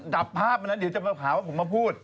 จับภาพมันนะเดี๋ยวจะหาว่าผมมาพูด